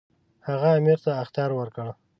هغه امیر ته اخطار ورکړ.